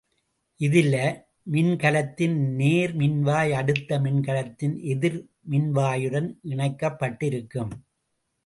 இதில மின்கலத்தின் நேர்மின்வாய் அடுத்த மின்கலத்தின் எதிர்மின்வாயுடன் இணைக்கப்பட்டிருகுகும்.